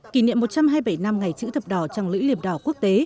kỷ niệm một trăm hai mươi bảy năm ngày chữ thập đỏ trong lữ liệp đỏ quốc tế